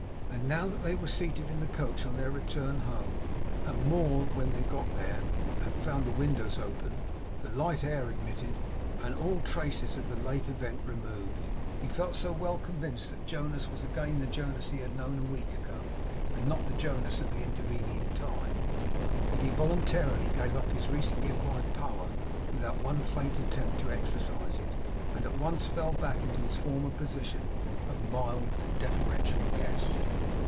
And now that they were seated in the coach on their return home; and more when they got there, and found the windows open, the light and air admitted, and all traces of the late event removed; he felt so well convinced that Jonas was again the Jonas he had known a week ago, and not the Jonas of the intervening time, that he voluntarily gave up his recently acquired power without one faint attempt to exercise it, and at once fell back into his former position of mild and deferential guest.